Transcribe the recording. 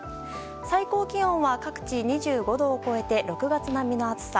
最高気温は各地２５度を超えて６月並みの暑さ。